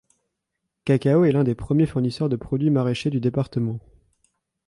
Cacao est l'un des premiers fournisseurs de produits maraîchers du département.